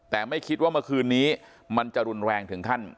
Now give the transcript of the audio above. แต่ไม่คิดว่าเมื่อคืนนี้มันจะรุนแรงถึงขั้น